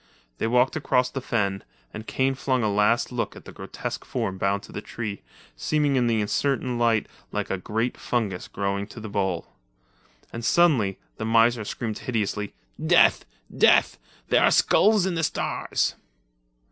They walked away across the fen, and Kane flung a last look at the grotesque form bound to the tree, seeming in the uncertain light like a great fungus growing to the bole. And suddenly the miser screamed hideously: "Death! Death! There are skulls in the Stars!"